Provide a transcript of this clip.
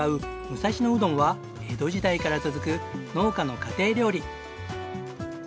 武蔵野うどんは江戸時代から続く農家の家庭料理。